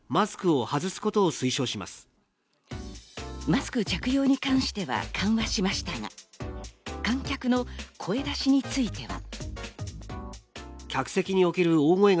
マスク着用に関しては緩和しましたが、観客の声出しについては。